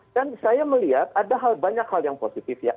dan saya melihat ada hal banyak hal yang positif ya